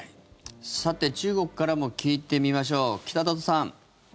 さて、中国からも聞いてみましょう、北里さん。